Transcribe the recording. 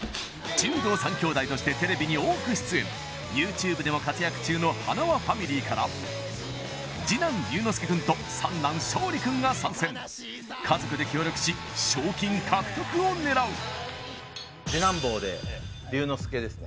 柔道三兄弟としてテレビに多く出演ＹｏｕＴｕｂｅでも活躍中のはなわファミリーから次男龍ノ介君と三男昇利君が参戦家族で協力し賞金獲得を狙う次男坊で龍ノ介ですね